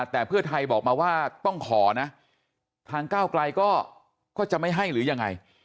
แต่เพื่อไทยบอกมาว่าต้องขอนะทางก้าวไกลก็จะไม่ให้หรือยังไง